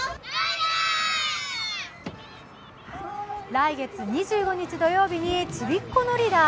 来月２５日土曜日にちびっこのりだー